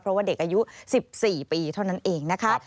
เพราะว่าเด็กอายุ๑๔ปีเท่านั้นเองนะคะ